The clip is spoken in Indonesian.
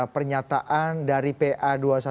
pernyataan dari pa dua ratus dua belas